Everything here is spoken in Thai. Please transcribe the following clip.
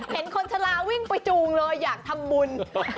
เห็นคนชะลาวิ่งไปจูงเลยอยากทำบุญ